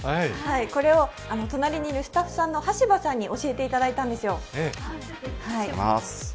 これを隣のいる、スタッフさんの羽柴さんに教えていただいたんですよ。